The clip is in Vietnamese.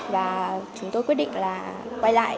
và chúng tôi quyết định là quay lại